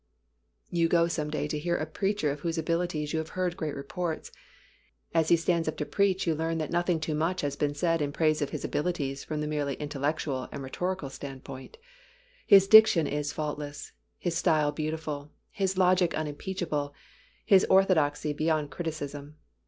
You go some day to hear a preacher of whose abilities you have heard great reports. As he stands up to preach you soon learn that nothing too much has been said in praise of his abilities from the merely intellectual and rhetorical standpoint. His diction is faultless, his style beautiful, his logic unimpeachable, his orthodoxy beyond criticism.